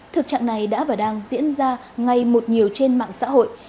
thực trạng này đã và đang diễn ra ngay một nhiều trên mạng xã hội